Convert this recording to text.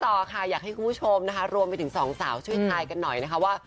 ต่อค่ะอยากให้คุณผู้ชมนะคะรวมไปถึงสองสาวช่วยทายกันหน่อยนะคะว่า